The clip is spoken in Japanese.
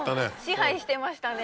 支配してましたね。